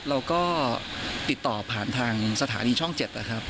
เราก็ติดต่อผ่านทางสถานีช่อง๗นะครับ